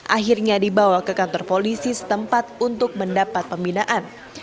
akhirnya dibawa ke kantor polisi setempat untuk mendapat pembinaan